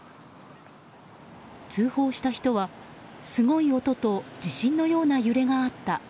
通報した人は、すごい音と地震のような揺れがあった。